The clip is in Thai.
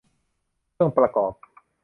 เครื่องประกอบ